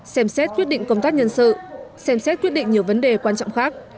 xem xét quyết định công tác nhân sự xem xét quyết định nhiều vấn đề quan trọng khác